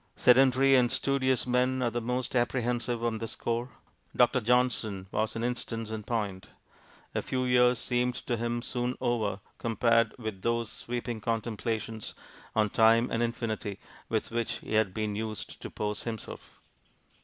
Sedentary and studious men are the most apprehensive on this score. Dr. Johnson was an instance in point. A few years seemed to him soon over, compared with those sweeping contemplations on time and infinity with which he had been used to pose himself.